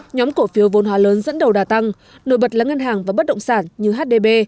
nhóm cổ phiếu vôn hòa lớn dẫn đầu đà tăng nổi bật là ngân hàng và bất động sản như hdb